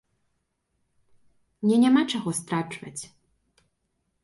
Мне няма чаго страчваць.